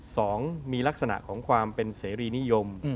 สองมีลักษณะของความเป็นเสรีนิยม